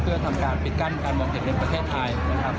เพื่อทำการปิดกั้นการบอกเหตุในประเทศไทย